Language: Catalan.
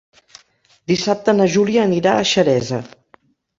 Dissabte na Júlia anirà a Xeresa.